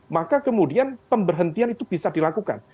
maka kemudian pemberhentian itu bisa dilakukan